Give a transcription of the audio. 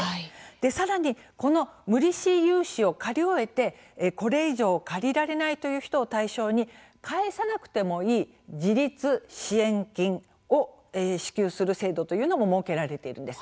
さらに、この無利子融資を借り終えてこれ以上借りられないという人を対象に返さなくてもいい自立支援金を支給する制度というのも設けられているんです。